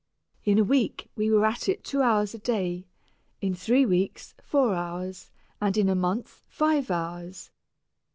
In a week, we were at it two hours a day, in three weeks, four hours, and in a month, five hours.